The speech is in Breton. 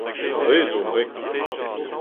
Re zo re